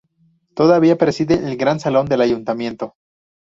Todavía preside el gran salón del Ayuntamiento.